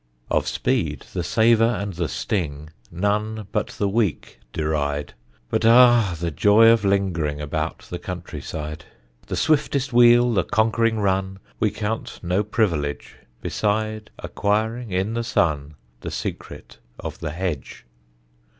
Of speed the savour and the sting, None but the weak deride; But ah, the joy of lingering About the country side! The swiftest wheel, the conquering run, We count no privilege Beside acquiring, in the sun, The secret of the hedge.